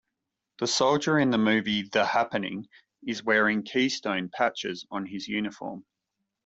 The Soldier in the movie "The Happening" is wearing keystone patches on his uniform.